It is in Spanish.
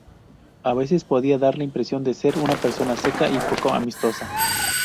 A veces podía dar la impresión de ser una persona seca y poco amistosa.